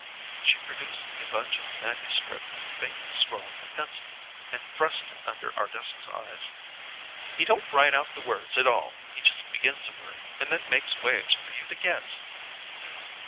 She produced a bunch of manuscript faintly scrawled in pencil, and thrust it under Ardessa's eyes. "He don't write out the words at all. He just begins a word, and then makes waves for you to guess."